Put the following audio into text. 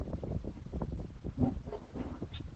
警方人员在早上将另外五个青年带返警署调查。